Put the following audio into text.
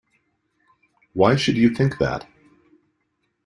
Why should you think that?